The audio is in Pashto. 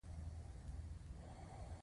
هغوی په موزون زړه کې پر بل باندې ژمن شول.